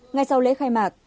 ngày sau lễ khai mạc